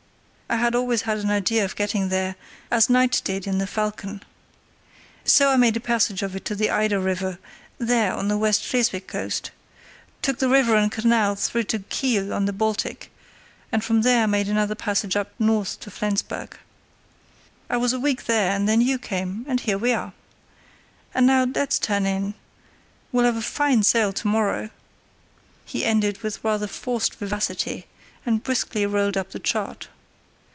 I had always had an idea of getting there, as Knight did in the Falcon. So I made a passage of it to the Eider River, there on the West Schleswig coast, took the river and canal through to Kiel on the Baltic, and from there made another passage up north to Flensburg. I was a week there, and then you came, and here we are. And now let's turn in. We'll have a fine sail to morrow!" He ended with rather forced vivacity, and briskly rolled up the chart.